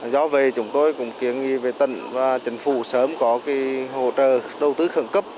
do về chúng tôi cũng kiến nghi về tận và chính phủ sớm có hỗ trợ đầu tư khẩn cấp